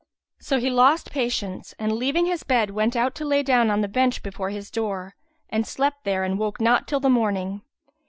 So he lost patience and, leaving his bed, went out and lay down on the bench before his door and slept there and woke not till the morning.